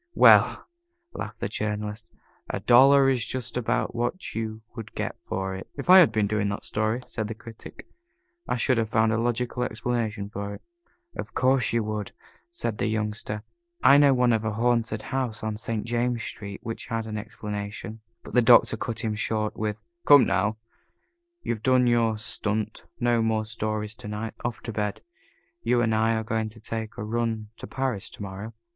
"Well," laughed the Journalist, "a dollar is just about what you would get for it." "If I had been doing that story," said the Critic, "I should have found a logical explanation for it." "Of course you would," said the Youngster. "I know one of a haunted house on St. James Street which had an explanation." But the Doctor cut him short with: "Come now, you've done your stunt. No more stories to night. Off to bed. You and I are going to take a run to Paris to morrow."